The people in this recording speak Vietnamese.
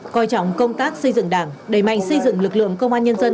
coi trọng công tác xây dựng đảng đẩy mạnh xây dựng lực lượng công an nhân dân